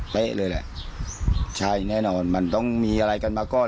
เลยแหละใช่แน่นอนมันต้องมีอะไรกันมาก่อน